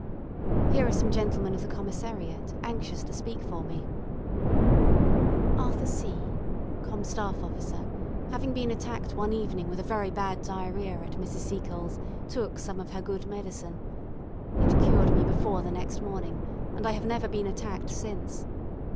Here are some gentlemen of the Commissariat anxious to speak for me: "Arthur C , Comm. Staff Officer, having been attacked one evening with a very bad diarrhoea at Mrs. Seacole's, took some of her good medicine. It cured me before the next morning, and I have never been attacked since.